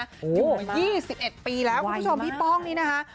อยู่มา๒๑ปีแล้วคุณผู้ชมพี่ป้องนี่นะคะ